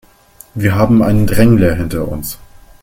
Wir haben einen Drängler hinter uns.